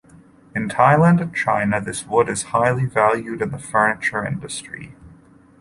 In Thailand and in China this wood is highly valued in the furniture industry.